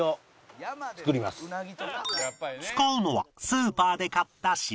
使うのはスーパーで買った白焼き